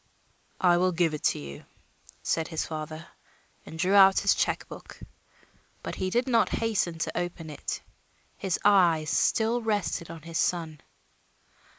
"I will give it to you," said his father, and drew out his check book. But he did not hasten to open it; his eyes still rested on his son.